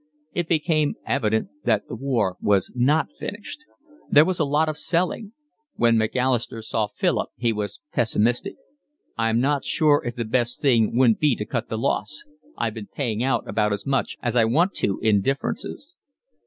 It became evident that the war was not finished. There was a lot of selling. When Macalister saw Philip he was pessimistic. "I'm not sure if the best thing wouldn't be to cut the loss. I've been paying out about as much as I want to in differences."